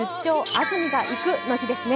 安住がいく」の日ですね。